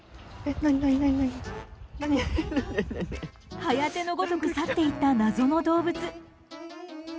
はやてのごとく去っていった謎の動物。